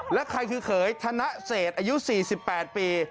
แล้วใครเก๋ถนะเศษอายุ๔๘ปี